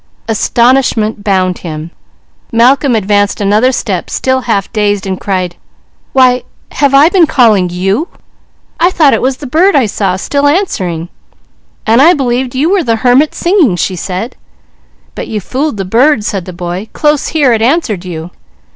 Astonishment bound him. Malcolm advanced another step, still half dazed, and cried: "Why, have I been calling you? I thought it was the bird I saw, still answering!" "And I believed you were the Hermit singing!" she said. "But you fooled the bird," said the boy. "Close here it answered you."